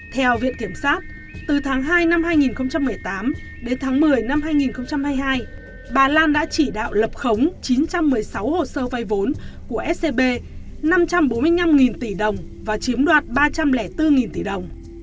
theo viện kiểm sát từ tháng hai năm hai nghìn một mươi tám đến tháng một mươi năm hai nghìn hai mươi hai bà lan đã chỉ đạo lập khống chín trăm một mươi sáu hồ sơ vay vốn của scb năm trăm bốn mươi năm tỷ đồng và chiếm đoạt ba trăm linh bốn tỷ đồng